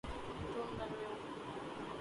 تم لنگڑے ہو